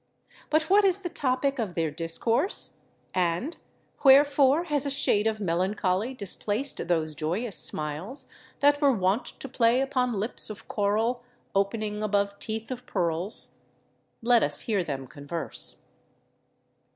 But what is the topic of their discourse? and wherefore has a shade of melancholy displaced those joyous smiles that were wont to play upon lips of coral opening above teeth of pearls? Let us hear them converse.